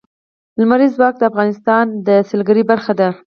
لمریز ځواک د افغانستان د سیلګرۍ برخه ده.